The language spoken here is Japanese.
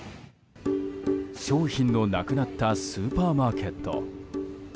商品のなくなったスーパーマーケット。